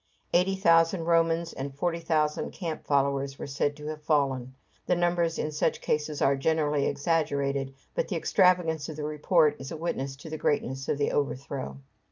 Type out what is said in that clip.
Eighty thousand Romans and forty thousand camp followers were said to have fallen. The numbers in such cases are generally exaggerated, but the extravagance of the report is a witness to the greatness of the overthrow.